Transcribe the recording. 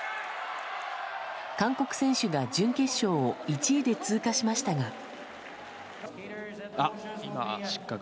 韓国選手が準決勝を１位で通過しましたが。